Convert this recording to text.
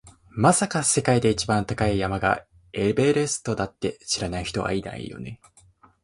まさか、世界で一番高い山がエベレストだって知らない人はいないよね？